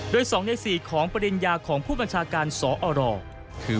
โดย๒ใน๔ของปริญญาของผู้บัญชาการสอรคือ